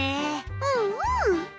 うんうん。